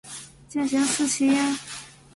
见贤思齐焉